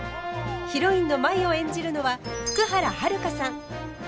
ヒロインの舞を演じるのは福原遥さん。